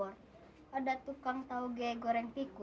bahkan di bogor ada tukang tauge goreng pikul